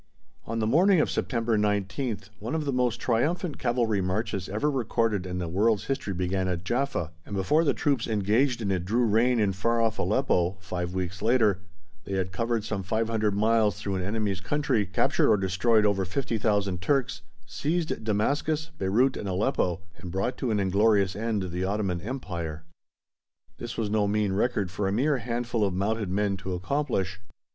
On the morning of September 19th one of the most triumphant cavalry marches ever recorded in the world's history began at Jaffa, and before the troops engaged in it drew rein in far off Aleppo, five weeks later, they had covered some 500 miles through an enemy's country, captured or destroyed over 50,000 Turks, seized Damascus, Beyrout, and Aleppo, and brought to an inglorious end the Ottoman Empire. This was no mean record for a mere handful of mounted men to accomplish.